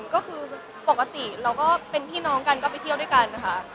ก็คือปกติเราก็เป็นพี่น้องกันก็ไปเที่ยวด้วยกันนะคะ